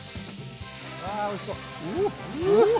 わおいしそう！